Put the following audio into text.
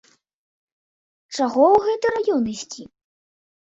Чаго ў гэты раён ісці?